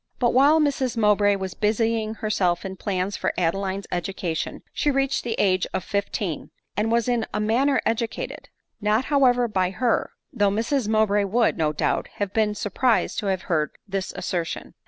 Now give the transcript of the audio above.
But while Mrs Mowbray was busying herself in plans for Adeline's education, she reached the age of fifteen, and was in a manner educated ; not however by her — though Mrs Mowbray would, no doubt, have been sur prised to have heard this assertion.